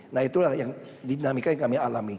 nah itulah yang dinamika yang kami alami